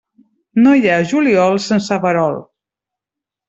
No hi ha juliol sense verol.